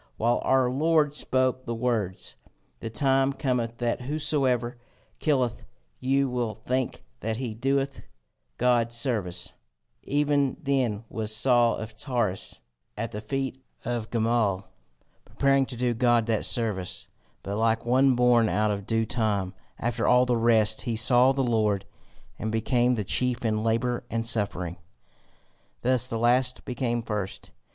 While our Lord spoke the words: The time cometh that whosoever killeth you will think that he doeth God service, even then was Saul of Tarsus at the feet of Gamaliel, preparing to do God that service; but like one born out of due time, after all the rest he saw the Lord, and became the chief in labour and suffering. Thus the last became first.